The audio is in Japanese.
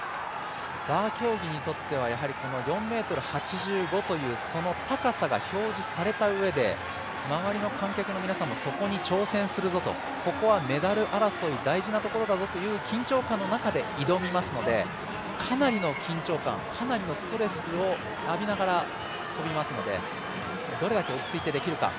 バー競技にとっては、この４ｍ８５というその高さが表示されたうえで周りの観客の皆さんもそこに挑戦するぞとここはメダル争い大事なところだぞという緊張感の中で挑みますのでかなりの緊張感かなりのストレスを浴びながら跳びますのでどれだけ落ち着いてできるか。